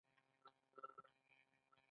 د سیج پاڼې د څه لپاره وکاروم؟